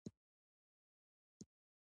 آیا ټول قرآن ته درناوی کوي؟